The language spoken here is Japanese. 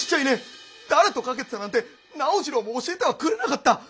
誰と賭けてたなんて直次郎も教えてはくれなかった！